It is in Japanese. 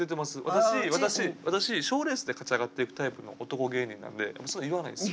私私私賞レースで勝ち上がってくタイプの男芸人なんでそういうの言わないんですよ。